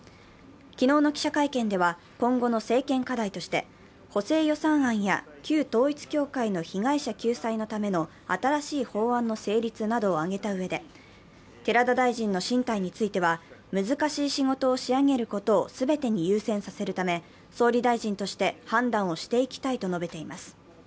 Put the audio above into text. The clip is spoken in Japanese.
昨日の記者会見では、今後の政権課題として補正予算案や旧統一教会による被害者救済のための新しい法案の成立などを挙げたうえで寺田大臣の進退については、難しい仕事を仕上げることを全てに優先させるため、総理大臣として判断をしていきたいと述べています。